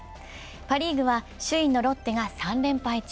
パ・リーグは首位のロッテが３連敗中。